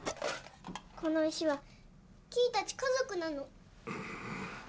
この石は希衣たち家族なの。